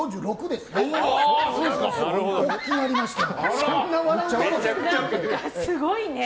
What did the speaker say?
すごいね！